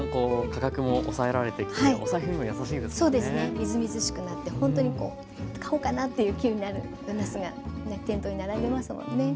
みずみずしくなって買おうかなっていう気分になるおなすが店頭に並んでますもんね。